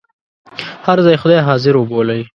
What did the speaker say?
هر ځای خدای حاضر وبولئ.